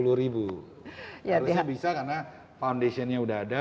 harusnya bisa karena foundationnya sudah ada